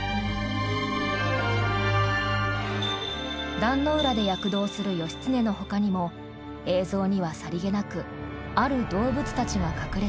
壇ノ浦で躍動する義経のほかにも映像にはさりげなくある動物たちが隠れています。